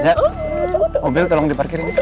mbak mirna mobil tolong diparkirin